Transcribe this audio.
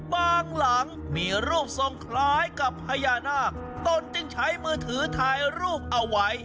หลังมีรูปทรงคล้ายกับพญานาคตนจึงใช้มือถือถ่ายรูปเอาไว้